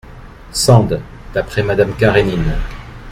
Sand d'après Madame Karénine.